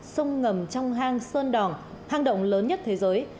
sông ngầm trong hang sơn đòn hang động lớn nhất thế giới